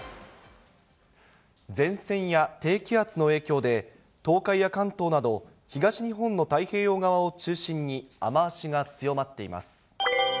前線や低気圧の影響で、東海や関東など東日本の太平洋側を中心に、雨足が強まっています。